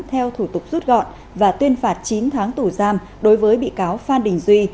theo thủ tục rút gọn và tuyên phạt chín tháng tù giam đối với bị cáo phan đình duy